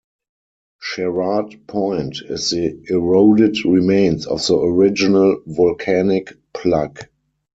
Sherrard Point is the eroded remains of the original volcanic plug.